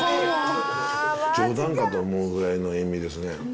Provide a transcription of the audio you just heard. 冗談かと思うぐらいの塩味ですね。